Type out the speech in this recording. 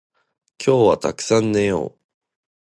今日はたくさん寝よう